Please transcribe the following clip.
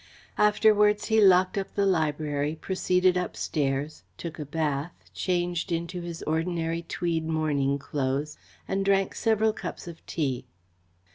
Afterwards he locked up the library, proceeded upstairs, took a bath, changed into his ordinary tweed morning clothes, and drank several cups of tea.